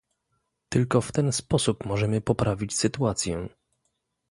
Tylko w ten sposób możemy poprawić sytuację